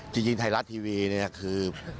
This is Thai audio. จริงไทยรัตน์ทีวีคือ